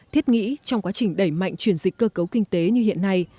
thiết nghĩ trong quá trình đẩy mạnh chuyển dịch cơ cấu kinh tế như hiện nay